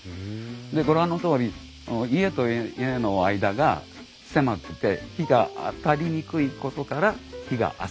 でご覧のとおり家と家の間が狭くて陽が当たりにくいことから陽が浅い。